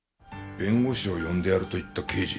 弁護士を呼んでやると言った刑事？